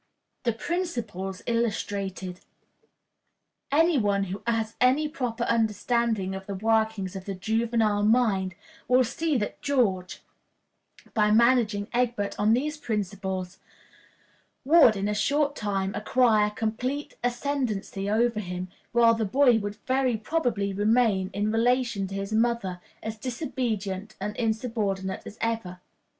The Principles Illustrated. Any one who has any proper understanding of the workings of the juvenile mind will see that George, by managing Egbert on these principles, would in a short time acquire complete ascendency over him, while the boy would very probably remain, in relation to his mother, as disobedient and insubordinate as ever.